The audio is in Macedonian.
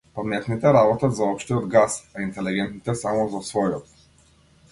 Паметните работат за општиот газ, а интелегентните само за својот.